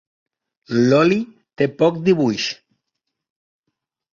L'oli té poc dibuix.